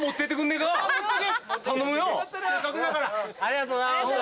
ありがとうございます。